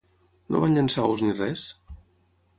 No van llençar ous ni res?